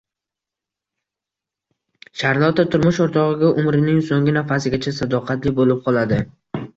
Sharlotta turmush o`rtog`iga umrining so`nggi nafasigacha sadoqatli bo`lib qoladi